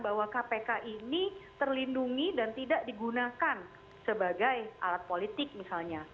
bahwa kpk ini terlindungi dan tidak digunakan sebagai alat politik misalnya